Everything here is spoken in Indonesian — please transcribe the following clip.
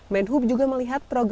menhub juga melihat perkembangan